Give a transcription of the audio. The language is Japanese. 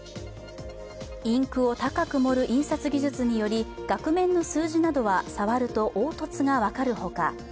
インクを高く盛る印刷技術により、額面の数字などは触ると凹凸が分かるほか